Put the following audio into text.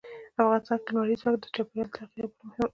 افغانستان کې لمریز ځواک د چاپېریال د تغیر یوه بله ډېره مهمه نښه ده.